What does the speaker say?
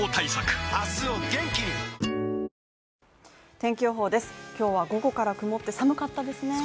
天気予報です、今日は午後から曇って寒かったですね